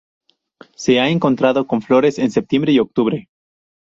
Se ha encontrado con flores en septiembre y octubre.